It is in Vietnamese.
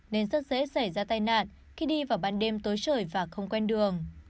nên rất dễ xảy ra tai nạn khi đi vào ban đêm tối trời và không quen đường